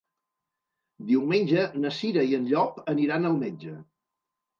Diumenge na Cira i en Llop aniran al metge.